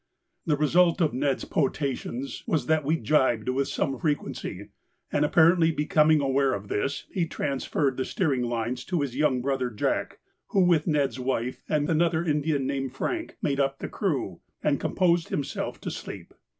The result of Ned's potations was that we gybed with some frequency, and, apparently becoming aware of this, he transferred the steering lines to his young brother Jack, who, with Ned's wife and another Indian named Frank, made up the crew, and composed himself to sleep.